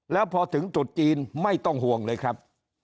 แล้วพอถึงจุดจีนไม่ต้องห่วงเลยครับ